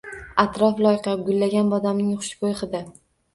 Atrof loyqa, gullagan bodomning xushbo‘y hidi.